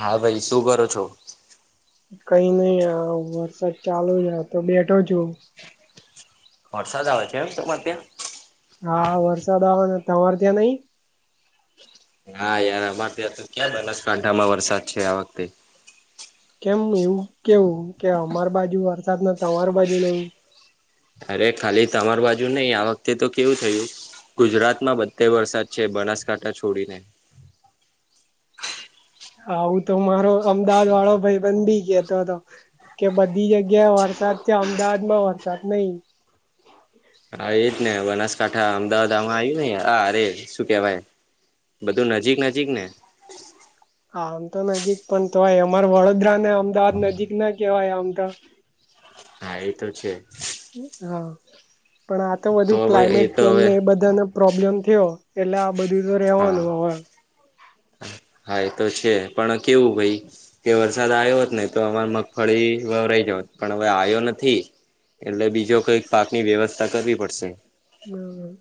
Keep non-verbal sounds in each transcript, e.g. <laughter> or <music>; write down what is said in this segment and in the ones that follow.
હા ભાઈ શું કરો છો કઈ નઈ વરસાદ ચાલુ છે તો બેઠો છુ વરસાદ આવે છે એમ તમારે ત્યાં હા વરસાદ આવવાને તવાર તયા નહીિ હા યાર અમારે ત્યાં તો ક્યાં બનાસકાંઠામાં વરસાદ છે આ વખતે કેમ એવું કેવું કે અમાર બાજુ અર્થાત ન અમાર બાજુ નહી અરે ખાલી તમાર બાજુ નહીિ આ વખતે તો કેવું થયું ગુજરાત માં બધે વરસાદ છે બનાસકાંઠા છોડીને હું તો મારો અમદાવાદ વાળો ભાઈ બન બી ગયોતો હતો કે બધી જગ્યાએ વરસાદ છે અમદાવાદ માં વરસાદ નહીિ હા એજ ને બનાસકાંઠા અમદાવાદ આમાં આવ્યું હા અરે શું કેવાય બધું નજીક નજીક ને હા આમ તો નજીક પણ તોય અમાર વડોદરા ને અમદાવાદ નજીક ના કહેવાય આમ તો હા એ તો છે હા પણ આ તો વધુ હવે એ ક્લાયમેટ તો ચેન્જ હવે ને એ બધાનો પ્રોબ્લેમ થયો એટલે આ બધું તો હા રહેવાનું હવે હા એ તો છે પણ કેવું ભાઈ કે વરસાદ આવ્યો હોત ને તો અમાર મગફળી વવરાઈ જ હોત પણ હવે આવ્યો નથી એટલે બીજો કઈક પાકની વ્યવસ્થા કરવી પડશે હમ હમ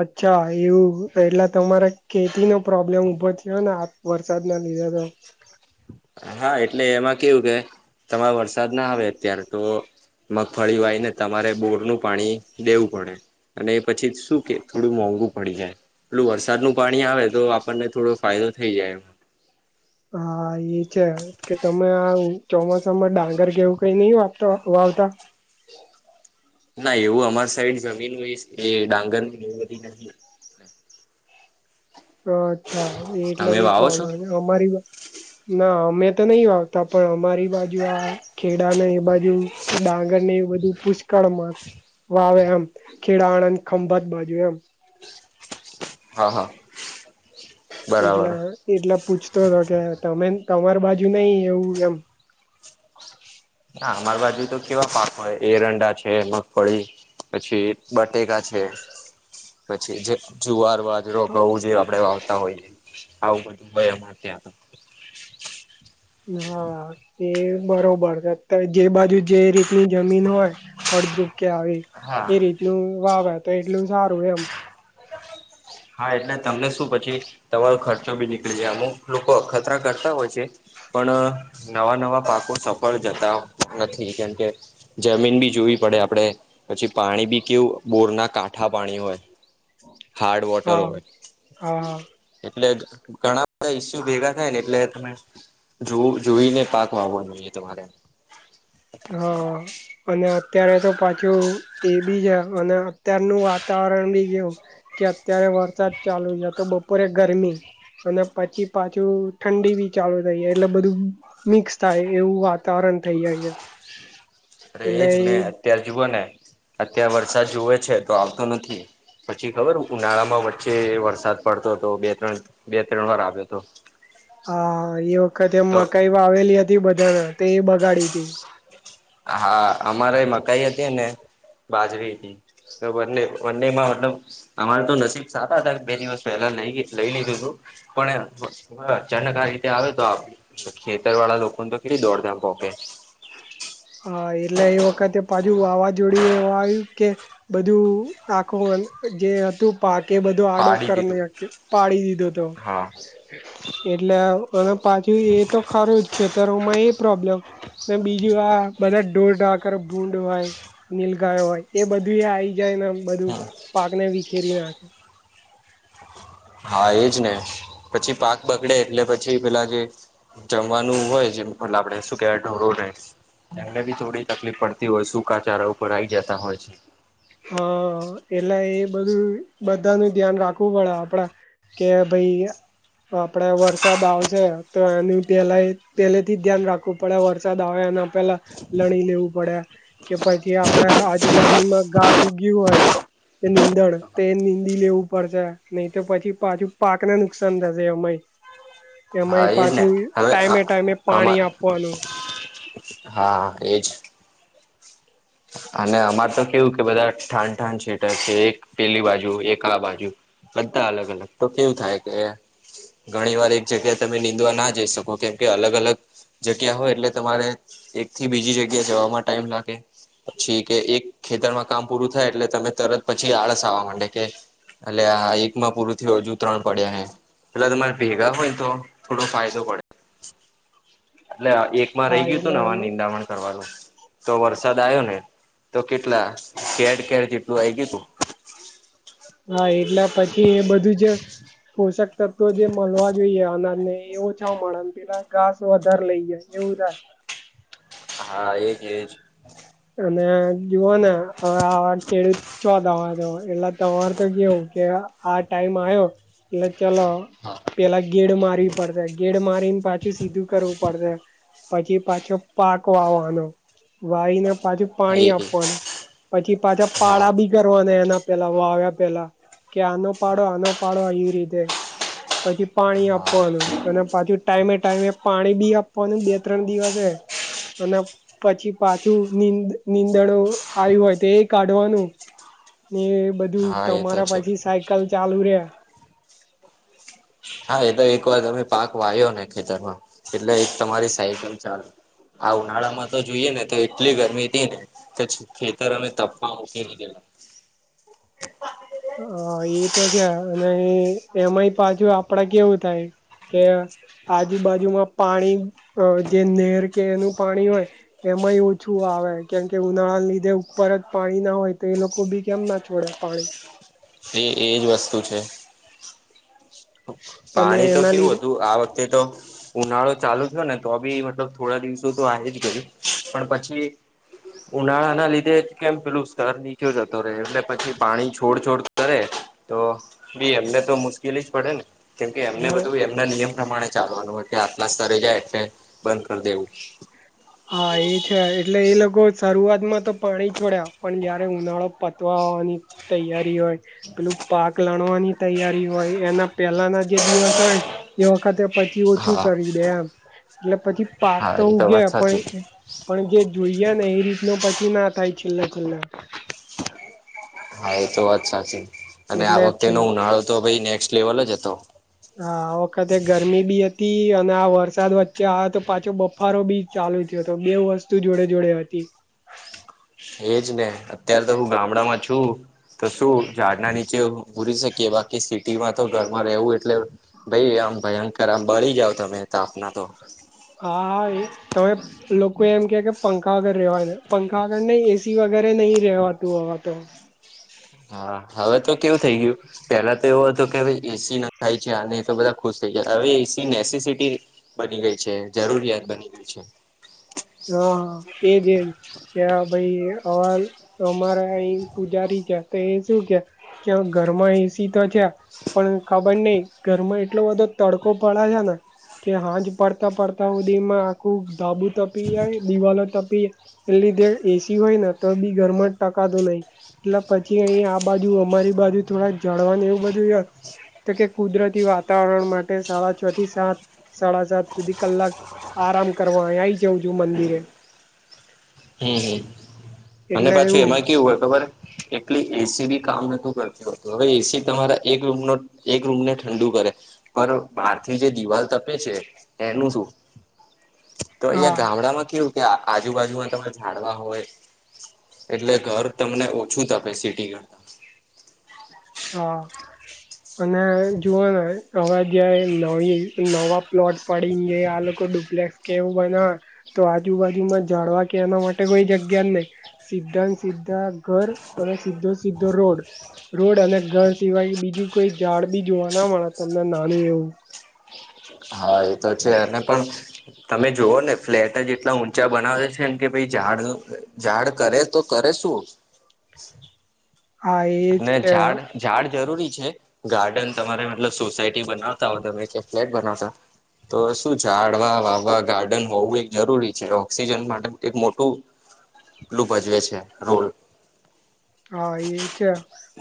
અચ્છા એવું એટલે તમારે ખતી નો પ્રોબ્લેમ ઉભો થયો ને વરસાદ ના લીધા તો હા એટલે એમાં કેવું કે તમારો વરસાદ ના આવે અત્યારે તો મગફળી વાય ને તમારે બોર નું પાણી દેવું પડે અને પછી શું કે થોડું મોંઘુ. પડી જાય પેલું વરસાદ નું પાણી આવે તો આપણને થોડો ફાયદો થઈ જાય. હા એ છે કે તમે આવું. ચોમાસામાં ડાંગર કેવું કઈ નહ વાપતા વાવતા ના એવું અમાર સાઈડ જમીન હોય એ ડાંગર ની ગવતી નથી. અચ્છા એ એટલે તમે એ વાવો છો પ્રોબ્લેમ છે અમારી. ના અમે તો નહી વાગતા પણ અમારી બાજુ આ ખેડાને એ બાજુ ડાંગર ને એ બધું પુષ્કળમાં વાવે એમ ખેડા આણંદ ખંભત બાજુ એમ હા હા. એટલે બરાબર એટલે પૂછતો હતો કે તમે તમાર બાજુ નઈ એવું એમ ના અમારી બાજુ તો કેવા પાક હોય એરંડા છે મગફળી. પછી બટેકા છે પછી જુવાર રવાજરો ઘઉ જે આપડે વાવતા હોઈએ આવું બધુંમાં ત્યાં હા તે બરોબર છે જે બાજુ જે રી ની જમીન હોય ફળદ્રુપ કે આવી હા એ રીતનું વાવે તો એટલું સારું એમ. હા એટલે તમને શું પછી તમારો ખર્ચો બી નીકળી જાય અમુક લોકો અખતરા કરતા હોય છે. પણ નવા નવા પાકો સફળ જતા નથી કેમકે જમીન બી જોવી પડે આપડે પછી પાણી બી કેવું બોરના કાઠા પાણી હોય. હાર્ડ વોટર હા હોય. હા એટલે ઘણા બધા ઈસ્યુ ભેગા થાય ને એટલે તમે જોવું જોઈને પાક વાવવાો જોઈએ તમારે હા. અને અત્યારે તો પાછું એ બી છે અને અત્યારનુંું વાતાવરણ બી કેવું. કે અત્યારે વરસાદ ચાલુ છે તો બપોરે ગરમી. અને પછી પાછું ઠંડી બી ચાલુ થઈાય એટલે બધું. મિક્સ થાય એવું વાતાવરણ થઈ જાય છે. અરે એટલે એજ ને એ અત્યાર જુવઓ ને અત્યારે વરસાદ જુવે છે તો આવતો નથી. પછી ખબર ઉનાળામાં વચ્ચે વરસાદ પડતો હતો બે ત્રણ બે ત્રણ વાર આવ્યો હતો. હા એ વખત એમ તો મકાઈ આવેલી હતી બધાના તે એ બગાડી હતી. હા અમારે એ મકાઈ હતી ને બાજરી હતી. વ ડે વ ડેમાં વ અમારે તો નસીબ સારા હતાા બે દિવસ પહેલા નઈ લઈ લીધું તું પણ ચણકાર રીતે આવે તો આપ. તો ખેતર વાળા લોકો તો કેટલી દોડધામ પોકે. હા એલે વકતે <unintelligible> પાજુ વાવાઝોડ એવા આવ્યું કે બધું આખું જે હતું. પાકે બધો આડો પાડી દીધું. કરી્યો પાડી દીધો હતો. હા. એટલે અને પાછું એ તો ખરું જ ખેતરોમાં એ પ્રોબ્લેમ. બીજું આ બધા ઢોરકાર ભૂંડ હોય નીલગાયો હોય એ બધું આવી ગય જાયને બધું પાક ને વિખેરી નાખે હા એજ ને પછી પાક બગડે એટલે પછી પેલા જે જમવાનું હોય જેમ પ આપડે શું કેવાય ઢોરો રહે. એમને બી થોડી તકલીફ પડતી હોય સુૂકાચારા ઉપર આવી જતા હોય છે. હા એટલે એ બધું બધા ન ધ્યાન રાખવું પડે આપડે કે ભાઈ આપડે વરસાદ આવશે તો એનું પેલા પહેલે થી ધ્યાન રાખવું. પડ્યા વરસાદ આવે એ અને પેલા લણી લેવું પડ્યા. કે પછી આપડા આજુબાજુમાં ઘાસ ઉગ્યું હોય કે નીંદણ તે નિનીંદી લેવું પડશે નહી તો પછી પાછું પાકને નુકસાન થશે અમાંય હા એ જ ને હવે ટાઈમે ટાઈમે આમા પાણી આપવાનું હા એજ અને અમાર તો કેવું કે બધા ઠાણઠાણ સેટર છે એક પેલી બાજુ એક આ બાજુ બધા અલગ અલગ તો કેવું થાય કે ઘણી વાર એક જગ્યાએ તમે નિનીંદવા ના જઈ શકો કેમ કે અલગ અલગ જગ્યા હોય એટલે તમારે એકથી બીજી જગ્યા જવામાં ટાઈમ લાગે પછી કે એક ખેતરમાં કામ પૂરું થાય એટલે તમે તરત પછી આળસ આવવા માંડે કે એટલે આ એકમાં પૂરું થી હજુ ત્રણ પડ્યા હ એટલા તમારે ભેગા હોયને તો થોડો ફાયદો પડે એટલે એકમાં રહી હા ગયું તું એટલે ને આવા નિંદામણ કરવાનું તો વરસાદ આવ્યો ને તો કેટલા કેર કેર જેટલું આ ગયું તું હા એટલે પછી એ બધું જ પોષક તત્વો જે મળવા જોઈએ અનાજને એવું છ મળે પેલા ઘાસ વધારે લઈ જાય એવું થાય હા એજ એજ અને જુઓ ને હવે આ ખેડૂત ચો દવા તો એટલા તમાર તો કેવું કે આ ટાઈમ આવ્યો એટલે ચલો હા પેલા ગેડ મારવી પડશે ગેડ મારીને પાછી સીધું કરવું પડશે પછી પાછો પાક વાવાનો વાય પાછુ એ પાણી આપવાનું પછી પાછા હા પાળા બી કરવાના એના પેલા વા આવ્યા પેલા કે આનો પાડો આનો પાડો એ રીતે પછી પાણી હા આપવાનું અને પાછું ટાઈમે ટાઈમે પાણી બી આપવાનું બે ત્રણ દિવસે અને પછી પાછું ંદ નીંદણો આવી હોય તો એ કાઢવાનું ને બધું હા એ તો તમારા છે પછી સાયકલ ચાલુ રહ્યા હા એ તો એક વાર તમે પાક વા્યો ને ખેતરમાં એટલે એક તમારી સાયકલ ચાલુ આ ઉનાળામાં તો જોઈએે ને તો એટલી ગરમી હતી ને કે ખેતર અમે તપા મકી ન ગેલા <inaudible> હ એ તો છે અને એમાંય પાછુ આપડા કેવું થાય કે આજુબાજુમાં પાણી જે નેર કે એનું પાણી હોય એમાંય ઓછું આવે કેમ કે ઉનાળા લીધે ઉપર જ પાણી ના હોય તો એ લોકો બી કેમ ના છોડે પાણી એ એજ વસ્તુ છે અને પાણી તો એના કેવું લીધે હતું આ વખતે તો ઉનાળો ચાલુ થયો ને તો બી મતલબ થોડા દિવસો તો આ જ ગયું પણ પછી ઉનાળા ના લીધે જ કેમ પેલું સ્તર નીચો જતો રહેે એટલે પછી પાણી છોડછોડ કરે તો બી એમને તો મુશ્કેલી જ પડે ને કેમકે એમને હ બધું એમના નિયમ પ્રમાણે ચાલવાનું હોય કે આપના સ્તરે જાય એટલે બંધ કરી દેવું હા એ છે એટલે એ લોકો શરૂઆતમાં તો પાણી છોડ્યા પણ જયારે ઉનાળો પતવાવાની તૈયારી હોય પેલું પાક લણવાની તૈયારી હોય એના પેલાના જે દિવસ હોય એ વખતે પછી ઓછું હા કરી દે એમ એટલે પછી પાક હા તો એ વાત ઉગેમ સાચી પણ જે જોઈયા ને એ રીતનો પછી ના થાય છેલ્લા છેલ્લા હા એ તો વાત સાચી અને આ એટલે જ વખતે એનો છેલ્લે ઉનાળો તો ભ નેક્સ્ટ લેવલ જ હતો હા આ વખતે ગરમી બી હતી અને આ વરસાદ વચ્ચે આ તો પાછો બફારો બી ચાલુ થયો તો બે વસ્તુ જોડે જોડે હતી એજ ને અત્યારે તો હું ગામડામાં છું તો શું ઝાડના નીચે બુરી શકીએ બાકી શીખ માં તો ઘરમાં રહેવું એટલે ભાઈ આમ ભયંકર આમ બળી જાવ તમે તાપના તો હા હા એ તમે લોકો એમ કે કે પંખા આગળ રેવા પંખા આગળ ને એસી વગેરે નહીિ રેવાતું હવા તો હા હવે તો કેવું થઇ ગયું પેલા તો એવો હતો કે એસી ના ખાય છે આ તો બધા ખુશ થઈ જયા હવે એસી નેસટી બની ગઈ છે જરૂરિયાત બની ગઈ છે હા એજ એજ કે ભાઈ હવા અમારા અહી પૂજારી છે તો એ શું કે કે ઘરમાં એસી તો છે પણ ખબર નઈ ઘરમાં એટલો બધો તડકો પડે છે ને કે હાજ પડતા પડતા સુધી એમાં આખું ધાબું તપી જાય દિવાલો તપી એટલેધ એસી હોય ને તો બી ઘરમાં જ ટકાતું નહીિ એટલે પછી અહીં આ બાજુ અમારી બાજુ થોડા જળવાનું એવું બધું ય તો કે કુદરતી વાતાવરણ માટે સાડા છ થી સાત સાડા સાત સુધી કલાક આરામ કરવા અ આય જઉં છું મંદિરે હમ હમ અને એટલે પાછી એવું એમાં કેવું હોય ખબર એટલે એસી બી કામ નોતું કરતી હોતું હવે એસી તમારા એક રૂમ નો એક રૂમ ને ઠંડુ કરે પણ બહારથી જે દિવાલ તપે છે એનું શું તો અહં હા ગામડામાં કેવું કે આજુબાજુમાં ત ડવા હોય એટલે ઘર તમને ઓછું તપેસિટી કરતા હા અને જોુવાનુંય હવે જ નવી નવા પ્લોટ પડી આ લોકો ડુપ્લેક્સ કેવું બને તો આજુબાજુમાં જાળવા કે એના માટે કોઈ જગ્યા જ નહી સીધા સીધા ઘર અને સીધો સીધો રોડ રોડ અને ઘર સિવાય બીજું કોઈ ઝાડ બી જોવા ના મળે તમને નાનું એવું હા એ તો છે અને પણ તમે જોુઓ ને ફ્લેટ જ એટલા ઊંચા બનાવે છે ને કે ભાઈ ઝાડ ઝાડ કરે તો કરે શું હા એ અને છે ઝાડ ઝાડ જરૂરી છે ગાર્ડન તમારે મતલબ સોસાયટી બનાવતા હો તમે કે ફ્લેટ બનાવતા તો શું જાડવા વાવવા ગાર્ડન હોવું એ જરૂરી છે ઓક્સિજન માટે કક મોટું એટલું ભજવે છે રોડ હા એ છે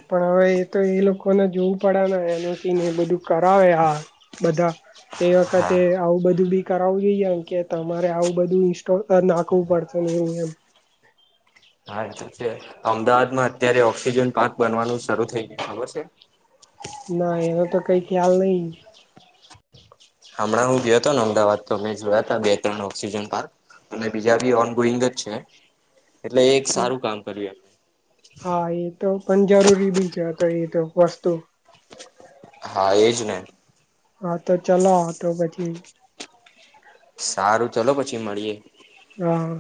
પણ હવે એ તો એ લોકોને જોવું પડે ને એનું સીન એ બધું કરાવે હા બધા તે હા વખતે આવું બધું બી કરાવું જોઈએમ કે તમારે આવું બધું ઇન્સ્ટોલ નાખવું પડશે ને એવું એમ હા એ તો છે અમદાવાદ માં અત્યારે ઓક્સિજન પાર્ક બનવાનું શરૂ થઈ ગયું ખબર છે ના એનો તો કઈ ખ્યાલ નહીિ હમણાં હું ગયો હતોને અમદાવાદ તો મેમે જોયા ત બે ત્રણ ઓક્સિજન પાર્ક અને બીજા બી ઓન ગોઈંગ જ છે એટલે એ એક સારું કામ કર્યું હા એ તો પણ જરૂરી બી છે તો એ તો વસ્તુ હા એજ ને હા તો ચલો તો પછી સારું ચલો પછી મળીએ હમ